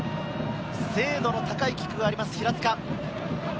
精度の高いキックがあります、平塚。